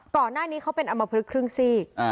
ก่อนหน้านี้เขาเป็นอมพลึกครึ่งซีก